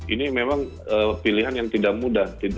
ini memang pilihan yang tidak mudah